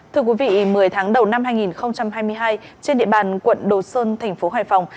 thưa quý vị một mươi tháng đầu năm hai nghìn hai mươi hai trên địa bàn quận đồ sơn thành phố hải phòng